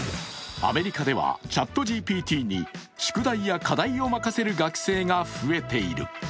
アメリカではＣｈａｔＧＰＴに宿題や課題を任せる学生が増えている。